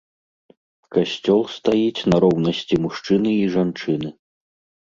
Касцёл стаіць на роўнасці мужчыны і жанчыны.